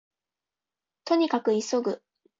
兎に角急ぐ